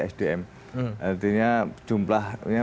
sdm artinya jumlahnya